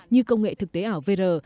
như công nghệ thực tế ảo vr